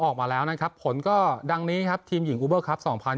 ออกมาแล้วนะครับผลก็ดังนี้ครับทีมหญิงอูเบอร์ครับ๒๐๑๖